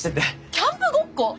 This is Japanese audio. キャンプごっこ？